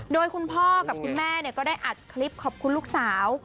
โดยคุณพ่อกับคุณแม่ก็ได้อัดคลิปขอบคุณลูกสาว